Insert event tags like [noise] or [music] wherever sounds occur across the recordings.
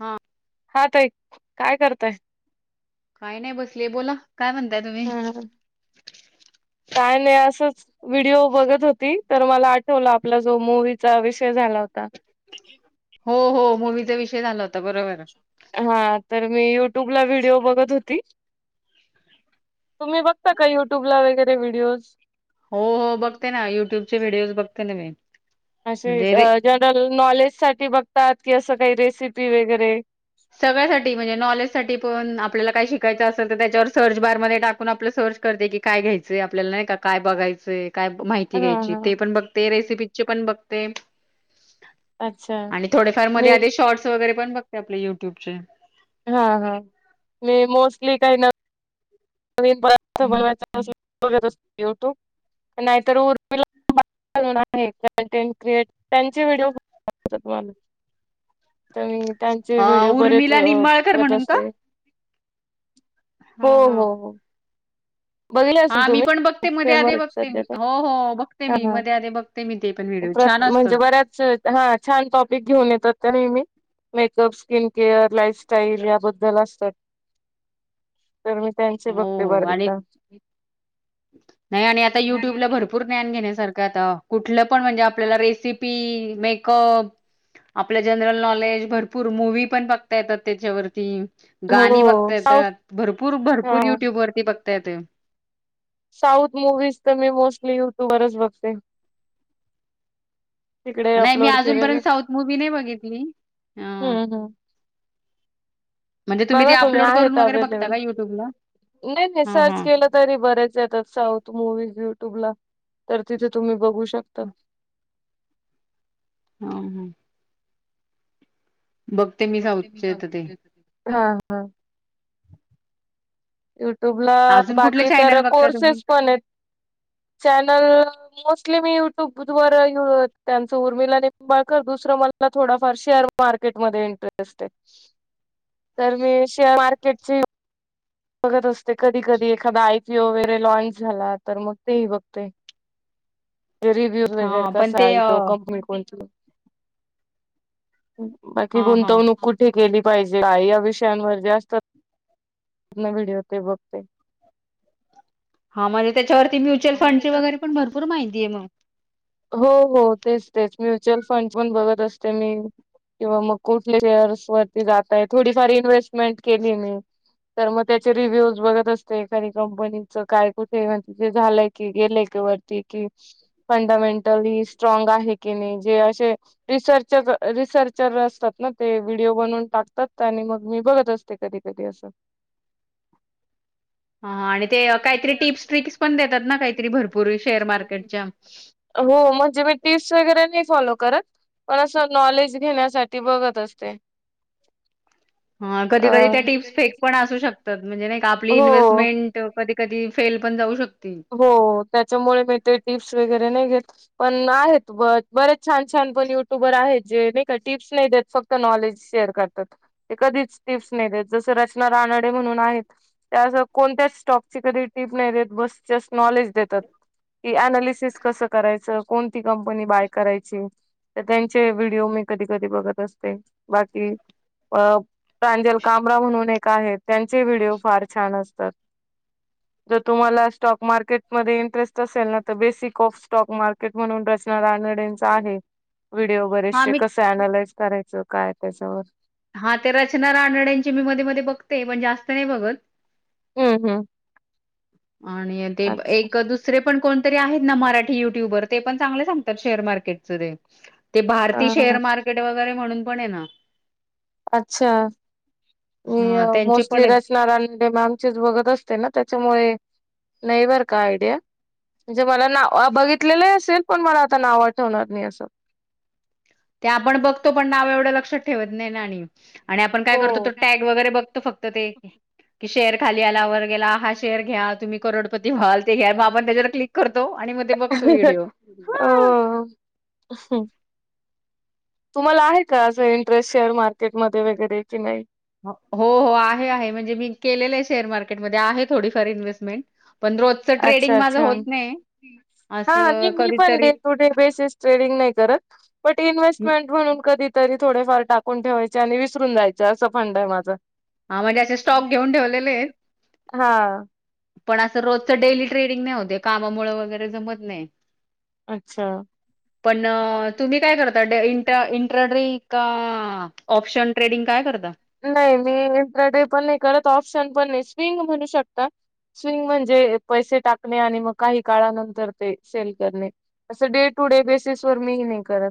हा हा ताई काय करताय? काय नाही बसले बोला. काय म्हणताय तुम्ही हा. काय नाही असच व्हिडिओ बघत होती तर मला आठवलं आपला जो मूवीचा विषय झाला होता. हो हो मूवीचा विषय झाला होता बरोबर हा तर मी युट्यूबला व्हिडिओ बघत होती. तुम्ही बघता का युट्यूब ला वगैरे व्हिडीिओज हो हो बघते ना युट्यूबचे व्हिडिओज बघते ना मी असे म्हणजे रे जनरल नॉलेज साठी बघतात की असं काही रेसिपी वगैरे सगळ्यासाठी म्हणजे नॉलेज सा पण आपल्याला काय शिक शिकायच असेल तर त्याच्यावर सर्च बार मध्ये टाकून आपलं सर्च करते की काय घ्यायचय आपल्याला नाही काय बघायचं. काय माहिती हा घ्यायची हा. ते पण बघते रेसिपीचे पण बघते. अच्छा आणि थोडेफार मी मध्ये आध शॉर्ट्स वगैरे पण बघते आपले युट्यूबचे हा हा मी मोस्टली काही ना. नन नाहीतर उर्ला [unintelligible] आहे कटेंट क्रिएट त्यांचे व्हिडिओ ख तुम्हाला [unintelligible] तर म त्यांचे अ व्हिडिओ बरेच उर्मिला निंबाळकर करत म्हणून का असते. हो हा हा हो हो बघितले हा असतील मी तुम्ही? पण बघते खूप मध्ये फेमस आधी आहेत बघते सध्या मी ते. हो हो बघते हा मी हा मध्ये आधे बघते मी ते पण व्हिडिओ. छान असतात म्हणजे बऱ्याच हा छान टॉपिक घेऊन येतात त्या नेहमी मेकअप स्किन केअर लाईफस्टाईल याबद्दल असतात. तर मी त्यांचे हो बक्ते हो बर. आणि नाही आणि आता युट्युब ला भरपूर ज्ञान घेण्यासारखं कुठ पण म्हणजे आपल्याला रेसिपी मेकअप आपल्या जनरल नॉलेज भरपूर मूव पण पाघता येतात त्याच्यावरती गाणी हो बघता येत साऊथ भरपूर हा भरपूर युट्यूब वरती बघता येत. साऊथ मुूवीज तर मी मोस्टली युट्युब वरच बघते. तिकडे नाही मी अपलोड अजूनपर्यंत केलेलं साऊथ मूवी नाही बघितली अ हम्म हम्. म्हणजे ते बघा तुम्ही अपलोड करून आहेत वगैरे बघता अवेलेबल का युट्यूबला नाही नाही हा हा सर्च केलं तरी बरेच येतात साऊथ मव्य तुबला तर तिथे तुम्ही बघू शकता. हम हम. बघते मी साऊथ च्या इथं ते हा हा युट्यूबला अजून कुठले बाकी तर चॅनल बघता तुम्ही? कोर्सेस पण आहेत. चॅनल मोस्टली मी युट्यूब वर त्यांचं उर्मिला निंबाळकर दुसरं मला थोडाफार शेअर मार्केटमध्ये इंटरेस्ट आहे तर मी शेअर मार्केटची बघत असते. कधी कधी एखादा आयपीओ वगैरे लॉनच झाला तर मग तेही बघते. [inaudible] रिवीह्यू वगैरे हां, पण कसा ते आहे अ तो कंपनी कोणती बाकी हां, हां. गुंतवणूक कुठे केली पाहिजे. काय या विषयांवर जास्त व्हिडिओ ते बघते. हा म्हणजे त्याच्यावरती म्युच्युअल आणि फंड ची वगैरे पण भरपूर त्याच्यावर माहिती आहे मग, हो हो तेच तेच म्युच्युअल फंड पण बघत असते मी. किंवा मग कुठल्या शेअर्स वरती जाताय थोडीफार इन्व्हेस्टमेंट केली मी तर मग त्याचे रिव्ह्यूज बघत असते एखाद्या कंपनीच काय कुठे म्हण झालं की गेले क वरती की फंडामेंटली स्ट्रांग आहे की नाही जे असे, रिसर्चर असतात ना ते व्हिडीओ बनून टाकतात आणि मग मी बघत असते. कधी कधी असं हा आणि ते काहीतरी ते टिप्स ट्रिक्स पण देतात ना टिप्स काहीतरी ना भरपूर शेअर भरपूर मार्केटच्या मार्केट हो म्हणजे मी टिप्स वगैरे नाही फॉलो करत पण अस नॉलेज घेण्यासाठी बघत असते. हं अ कधी कधी त्या टिप्स फेक पण असू शकतात. म्हणजे नाही आपली हो इन्व्हेस्टमेंट कधी कधी फेल पण जाऊ शकतो. हो त्याच्यामुळे मी ते टिप्स वगैरे नाही घेत पण आहेत ब बरेच छान छान पण युट्युबर आहेत. जे नाही का टिप्स नाही देत फक्त नॉलेज शेअर करतात एखादी टिप्स नाही देत जसं रचणारा मराठी म्हणून आहेत त्याचा कोणत्याच टॉपची कधी टीप नाही देत बस. जास्त नॉलेज देतात. की अनालिसिस कसं करायचं. कोणती कंपनी बाय करायची. तर त्यांचे व्हिडिओ मी कधी कधी बघत असते बाकी अ सांजल कामरा म्हणून एक आहे. त्यांचे व्हिडओ फार छान असतात. जर तुम्हाला स्टॉक मार्केटमध्ये इंटरेस्ट असेल ना तर बेसिक ऑफ स्टॉक मार्केट म्हणून रचना रानडेंचा आहे व्हिडिओ हां, बरेचसे मी कसे अनालाइज करायचं काय त्याच्यावर हा ते रचना रानडे यांची मी मध्ये मध्ये बघते पण जास्त नाही बघत. हम्म हम्म आणि ते अच्छा एक दुसरे पण कोणते आहेत ना. मराठी युट्युबर ते पण चांगले सांगतात शेअर मार्केटच ते ते भारती अ शेअर मार्केट वगैरे म्हणून पण आहे ना. अच्छा मी हा त्यांचे पण मोस्टली आहेत रचना रानडे मॅमचेच बघत असते ना. त्याच्यामुळे नाही बर का आयडिया म्हणजे मला नाव बघितलेलं असेल पण मला आता नाव आठवणार नाही असं. ते आपण बघतो पण नाव एवढं लक्षात ठेवत नाही ना आणि आणि आपण काय करतो हो. तो टॅग वगैरे बघतो फक्त ते कि शेअर खाली आला व गेला हा. शेअर घ्या तुम्ही करोडपती व्हाल. हे बाबा क्लिक करतो आणि बघतो मग ते व्हिडिओ हा हो तुम्हाला आहे का असं इंटरेस्ट शेअर मार्केटमध्ये वगैरे कि नाही? हो हो आहे आहे. म्हणजे मी केलेलं आहे शेअर मार्केटमध्ये आहे थोडीफार इन्व्हेस्टमेंट पण रोजचं ट्रेडिंग अच्छा माझं अच्छा. होत नाही हा नाही असं मी पण डे कधीतरी टू डे बेसिस ट्रेडिंग नाही करत. बट इन्स्टमेंट म्हणून कधी तरी थोडेफार टाकून ठेवायचे आणि विसरून जायचे. असा फंडा आहे माझा हा म्हणजे असे स्टॉक घेऊन ठेवलेले आहेत [unintelligible] हा.. पण असं रोजचं डेली ट्रेडिंग नाही होतंय कामामुळे वगैरे जमत नाही. अच्छा! पण तुम्ही काय करताय इंट्रडरी का? ऑप्शन ट्रेडिंग काय? करता? नाही मी इंट्राडी पण नाही करतं ऑप्शन पण नाही स्विंग म्हणू शकता. स्विंग म्हणजे पैसे टाकणे आणि मग काही काळानंतर ते सेल करणे असं डे टू डे बेस वर मी नाही करत.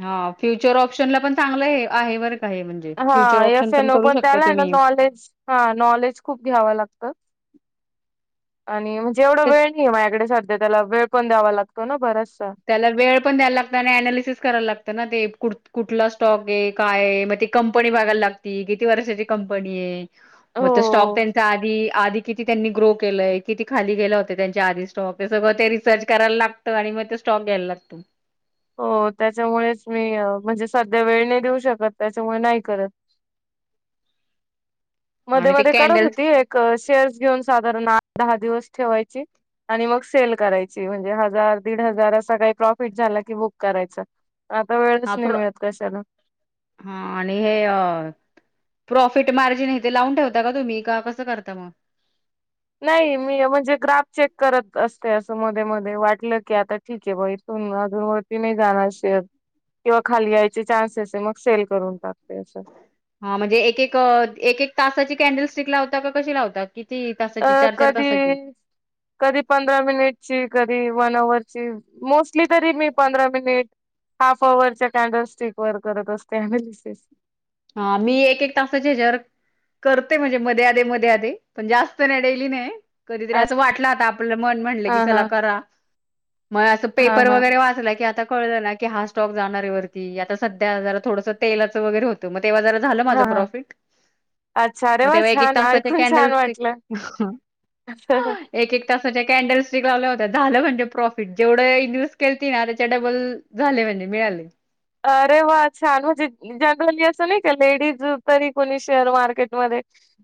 हा फ्युचर ऑप्शनला पण चांगलं आहे बरं का हे म्हणजे हा फ्युचर ऑप्शन एफ एलओ करू पण शकता त्याला आहे ना तुम्ही. नॉलेज हा नॉलेज खूप घ्यावं लागतं. आणि म्हणजे जेवढा तेच वेळ नाही आहे माझ्याकडे सध्या त्याला वेळ पण द्यावा लागतो ना बराच. त्याला वेळ पण द्यायला लागतं आणि अनालिसिस करायला लागत ना ते कु कुठला स्टॉक आहे काय? मग ते कंपनी बघायला लागती किती वर्षाची कंपनी आहे? मग तो स्टॉक हो त्यांचा आधी, आधी. किती त्यांनी ग्रो केलंय किती खाली गेलं होते, त्यांचे आधी स्टॉक ते सगळं ते रिसर्च करायला लागतं आणि मग स्टॉक घ्यायला लागते हो त्याच्यामुळेच मी म्हणजे सध्या, वेळ नाही देऊ शकत त्याच्यामुळे नाही करत. मध्ये आणि ते मध्ये करत कॅन्डल्स होती एक शेअर्स घेऊन साधारण आठ दहा दिवस ठेवायची आणि मग सेल करायची म्हणजे हजार दीड, हजार असा काही प्रॉफिट झाला की बुक करायचं. आता वेळच हा नाही प्र मिळत कशाला. हा आणि हे अ प्रॉफिट मार्जिन हे ते लावून ठेवता का तुम्ही? का कसं करता मग? नाही मी म्हणजे ग्राफ चेक करतं अस ते असं मध्ये मध्ये वाटलं की आता ठीक आहे ब इथून अजून वरती नाही जाणार शेअर, किंवा खाली यायचे चान्ससेस आहे मग. सेल करून टाकते असं. हा म्हणजे एक एक एक एक तासाची कॅन्डल स्टिक लावता का कशी लावतात? अ कधी कधी पंधरा मिनिटची. कधी वन अवरची मोस्टली तरी मी पंधरा मिनिट. हाफ अवरच्या कॅन्डल स्टिकवर करत असते अमलिसिस. हा मी एक एक तासाच्या हेच्यावर कर ते म्हणजे मध्ये आधे, मध्ये आधे पण जास्त नाही डेली नाही. कधीतरी हा असं वाटलं आता आपलं मन म्हटलं की हा चला करा? मग असं हा पेपर हा वगैरे वाचलं की आता, कळलं ना की हा स्टॉक जाणारे वरती आता सध्या जरा थोडं तेलाचं वगैरे होतं. मग तेव्हा जरा झालं हा माझं हा प्रॉफिट. अच्छा अरे मग वा तेव्हा एक एक छान तासाचे ऐकून कॅन्डल छान स्टिक वाटलं एक एक तासाच्या कॅन्डल स्टिक लावल्या होत्या झालं म्हणजे. प्रॉफिट जेवढं इन्व्स्ट केलतं ना त्याच्या डबल झालं म्हणजे मिळाले. अरे! वा! छान! ! म्हणजे जनरली असं नाही का लेडीज तरी कोणी शेअर मार्केटमध्ये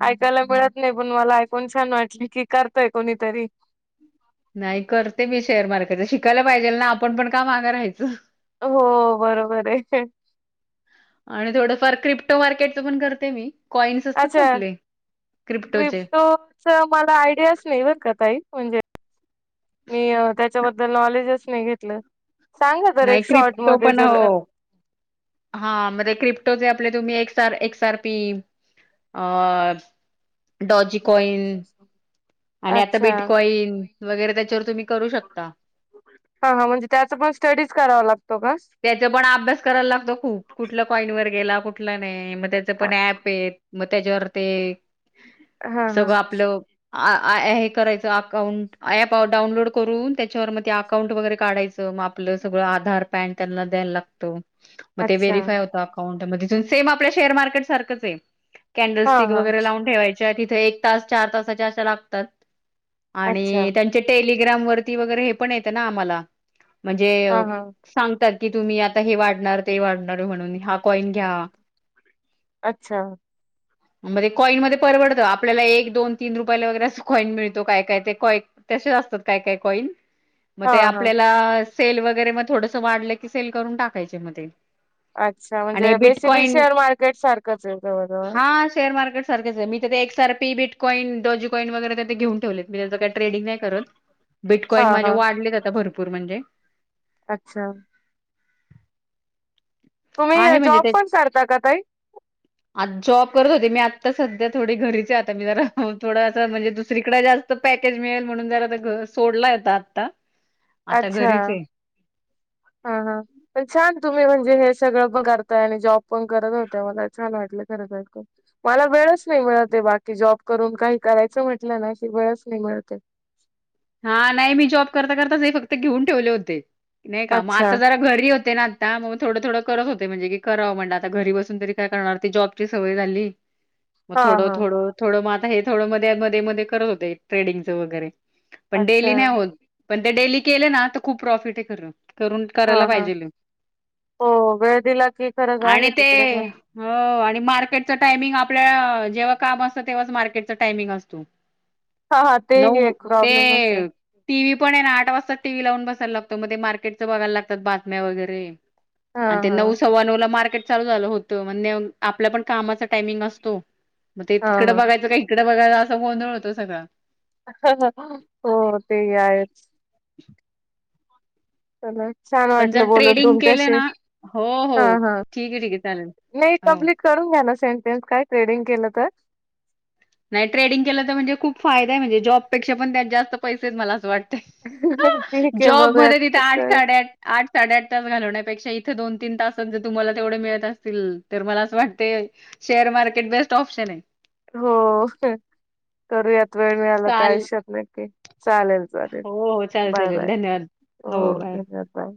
ऐकायला मिळत नाही पण मला ऐकून छान वाटलं की करतंय कोणीतरी? नाही करते मी शेअर मार्केट शिकायला पाहिजेल ना आपण पण का मागं राहायचं हो बरोबर आहे. आणि थोडंफार क्रिप्टो मार्केटचं पण करते मी कॉइन्स असतात ना अच्छा आपले क्रिप्टोचे क्रिप्टोच मला आयडियाच नाही बर का ताई म्हणजे मी त्याच्याबद्दल नॉलेजच नाही घेतलं. सांगा तर नाही एक शॉर्ट क्रिप्टो मध्ये पण जर हो हा म्हजे क्रिप्ट तुमरी कॉइन आणि आता अच्छा बीटकॉईन वगैरे त्याच्यावर तुम्ही करू शकता. हा हा म्हणजे त्याच पण स्टडीज करावा लागतो का? त्याचा पण अभ्यास करायला लागतो खूप कुठल्या कॉईन वर गेला, कुठला नाही म त्याच अ, पण ऍप आहे मग त्याच्यावर ते हा हा. सगळं आपलं आ ऍ ॲ हे करायचं अकाउंट ऍप डाउनलोड करून, त्याच्यावर मग ते अकाउंट वगैरे काढायचं मग आपलं सगळं आधार, पॅन त्यांना द्यायला लागत मगं ते अच्छा व्हेरिफाय होतं अकाउंट मध्ये. सेम आपल्या शेअर मार्केट सारखंच आहे कॅनडल, हा स्टिक हा वगैरे लावून ठेवायच्या तिथे एक चार तास असे लागतात अच्छा आणि त्यांचे टेलि ग्राम वरती वगैरे हे पण येत ना आम्हाला म्हणजे हा हा सांगतात की तुम्ही आता हे वाढणार ते वाढणार म्हणून हा कॉइन घ्या. अच्छा. मग ते कॉइनमध्ये परवडत आप आपल्याला एक दोन तीन रुपयाला वगैरे अस कॉईन मिळतो काय काय कॉय तसेच असतात काय काय कॉइन. मग हा ते हा आपल्याला सेल वगैरे मग थोडस वाढलं की सेल करून टाकायचे मग ते. अच्छा आणि म्हणजे बेसिकली बिटकॉईन शेअर मार्केट सारखंच आहे जवजवळ. हा शेअर मार्केट सारखच आहे मी ते एसआरपी, बिटकॉइन, डोजीकॉईन वगैरे तेे घेऊन ठेवले मी त्या ट्रेडिंग नाही करत, हा बिटकॉईन माझे हा वाढलेत आता भरपूर म्हणजे. अच्छा. आहे तुम्ही म्हणजे जॉब ते पण करता का ताई आता जॉब करत होत मी आता सध्या थोडी घरीचे आता मी जरा थोडंं म्हणजे दुसरीकडे जास्त पॅकेज मिळेल म्हणून ज सोडला येत आता. अच्छा घरीच आहे. हा हा पण छान तुम्ही म्हण हे सण जॉ पण करत होत म छान वाट मला वेळच नाही बा जॉब करून काही करायच म्हटलं ना क वेळच नाही मिळते हा नाही मी जॉब करता करताच हे फक्त घेऊन ठेवले होते. नाही का मग अच्छा आता जरा घरी होते ना आता मग थोडं थोडं करत होते म्हणजे की कराव म्हणे आता घरी बसून तरी काय करणार ती जॉबची सवय झाली. मग हा थोडं हा थोडं थोडं मग आता हे थोडं मध्ये मध्ये मध्ये करत होते ट्रेडिंगच वगैरे. पण अच्छा डेली नाही होत पण ते डेली केले ना तर खूप प्रॉफिट आहे खरं. [unintelligible] करून हा करायला हा पाहिजेल हे. हो वेळ दिला की खरंच आहे आणि ते तिकडे पण हो आणि मार्केटच टायमिंग आपल्या जेव्हा काम असत तेव्हाच मार्केटचा टायमिंग असतो. हा हा ते एक प्रॉब्लेम. T V. पण आहे ना आठ वाजता टीव्ही लावून बसायला लागतो मध्ये मार्केटं बघायला लागत्यात वगैरे हा आणि ते हा नऊ सव्वा नऊ ला मार्केट चालू झाल होत म्हण आपल्या पण कामाचा टायमिंग असतो. मग ते हा तिकड हा बघायचं का इकडं बघायला असं गोंधळ होतो सगळा. हो ते ही आहेच. [inaudible] चला छान पण जर वाटलं बोलुन ट्रेडिंग केलं तुमच्याशी. ना हो हो हा हा ठीक आहे ठीक आहे चालेल नाही हो. कमप्लीट करून घ्या ना सेंटेनस काय थ्रेडिंग केलं तर नाही पेक्षा पण त्यात जास्त पैसेच मला अस वाट ठीक आहे जॉब मधे तिथे आठ बघूयात. साडे आठ साडे आठ तास घालवण्यापेक्षा इथे दोन तीन तासात जर तुम्हाला तेवढे मिळत असतील तर मला असं वाटतेय शेअर मार्केट बेस्ट ऑप्शन आहे. हो करूयात वेळ मिळाला त्या चाल आयुष्यात नक्की चालेल. हो हो चालेल बाय चालेल बाय धन्यवाद हो बाय. धन्यवाद बाय.